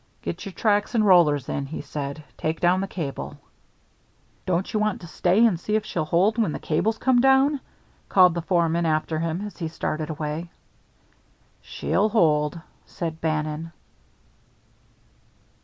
"Get your tracks and rollers in," he said. "Take down the cable." "Don't you want to stay and see if she'll hold when the cable comes down?" called the foreman after him as he started away. "She'll hold," said Bannon.